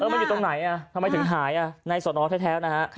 เออมันอยู่ตรงไหนอ่ะทำไมถึงหายอ่ะในสตนแท้นะฮะค่ะ